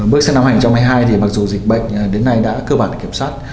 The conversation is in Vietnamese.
bước sang năm hai nghìn hai mươi hai thì mặc dù dịch bệnh đến nay đã cơ bản kiểm soát